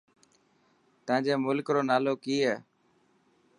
تانجي ملڪ رو نالو ڪي هي.